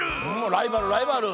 ライバルライバル。